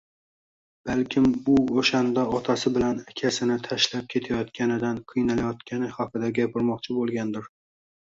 Balkim u o`shanda otasi bilan akasini tashlab ketayotganidan qiynalayotgani haqida gapirmoqchi bo`lgandir